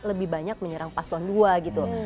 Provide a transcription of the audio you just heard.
lebih banyak menyerang paslon dua gitu